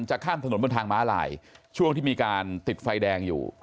จะข้ามถนนบนทางม้าลายช่วงที่มีการติดไฟแดงอยู่